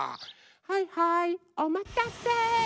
はいはいおまたせ。